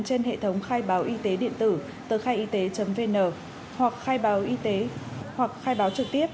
trên hệ thống khai báo y tế điện tử tờ khai y tế vn hoặc khai báo trực tiếp